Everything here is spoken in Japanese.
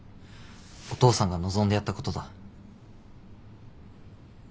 お父さんが望んでやったことだ。